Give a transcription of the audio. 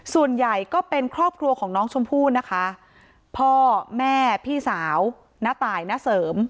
ส่วนใหญ่ก็เป็นครอบครัวของน้องชมพู่นะคะพ่อแม่พี่สาวน้าตายณเสริม